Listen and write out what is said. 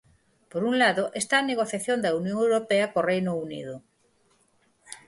Por un lado, está a negociación da Unión Europea co Reino Unido.